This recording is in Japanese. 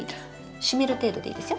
湿る程度でいいですよ。